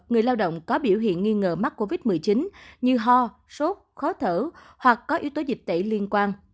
người lao động có biểu hiện nghi ngờ mắc covid một mươi chín như ho sốt khó thở hoặc có yếu tố dịch tễ liên quan